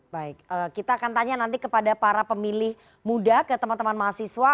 baik kita akan tanya nanti kepada para pemilih muda ke teman teman mahasiswa